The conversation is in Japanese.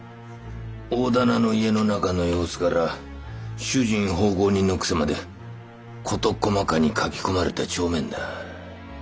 大店の家の中の様子から主人奉公人の癖まで事細かに書き込まれた帳面だ。